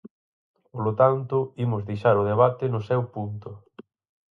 Polo tanto, imos deixar o debate no seu punto.